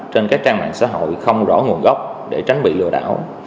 trên các trang mạng xã hội không rõ nguồn gốc để tránh bị lừa đảo